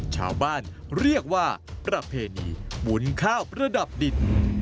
ชาวบ้านเรียกว่าประเพณีบุญข้าวประดับดิน